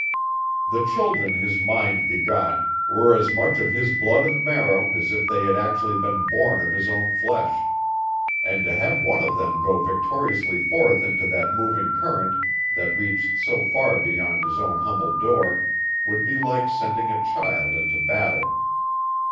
The children his mind begot were as much of his blood and marrow as if they had actually been born of his own flesh; and to have one of them go victoriously forth into that moving current that reached so far beyond his own humble door would be like sending a child into battle.